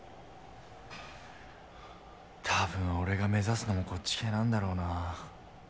多分俺が目指すのもこっち系なんだろうなぁ。